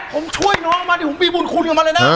ผมช่วยน้องมานี่ผมมีบุญคุณกับมันเลยนะ